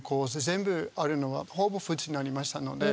全部あるのはほぼ普通になりましたので。